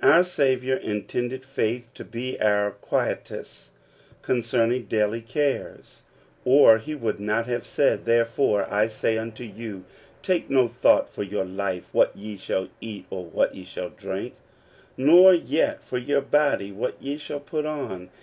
Our Saviour intended faith to be our quietus cronceming daily cares, or he would not have said, Therefore I say unto you, take no thought for your life, what ye shall eat or what ye shall drink ; xior yet for your body, what ye shall put on.